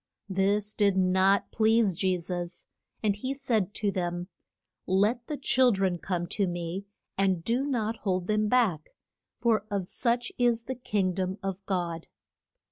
This did not please Je sus, and he said to them, Let the chil dren come to me, and do not hold them back, for of such is the king dom of God.